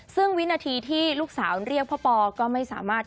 ซึ่งวินาทีที่ลูกสาวเรียกพ่อปอก็ไม่สามารถ